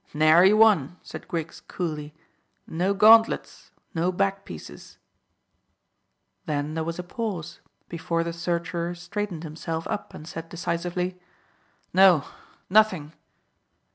"Nary one," said Griggs coolly. "No gauntlets, no backpieces." Then there was a pause, before the searcher straightened himself up and said decisively "No, nothing."